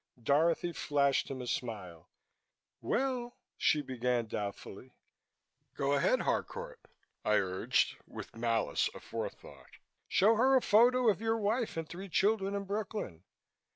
Dorothy flashed him a smile. "Well " she began doubtfully. "Go ahead, Harcourt," I urged with malice aforethought. "Show her a photo of your wife and three children in Brooklyn."